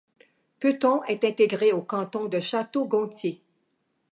Peuton est intégré au canton de Château-Gontier.